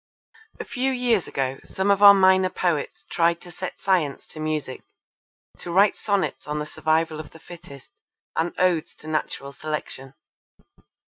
A few years ago some of our minor poets tried to set Science to music, to write sonnets on the survival of the fittest and odes to Natural Selection.